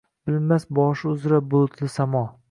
Bilmas, boshi uzra bulutli samo